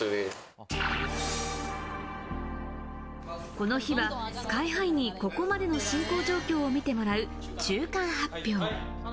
この日はＳＫＹ−ＨＩにここまでの進行状況を見てもらう中間発表。